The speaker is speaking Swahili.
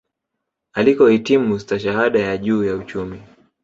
Alikohitimu stashahada ya juu ya uchumi